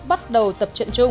bắt đầu tập trận chung